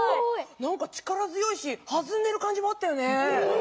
何か力強いしはずんでる感じもあったよね。